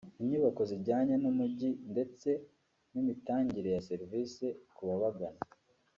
inyubako zijyanye n’umujyi ndetse n’imitangire ya service ku babagana